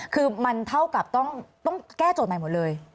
คือมันเท่ากับต้องแก้โจทย์ใหม่หมดเลย